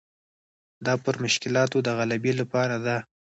دا پر مشکلاتو د غلبې لپاره ده.